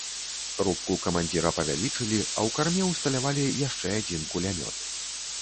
Рубку камандзіра павялічылі, а ў карме ўсталявалі яшчэ адзін кулямёт.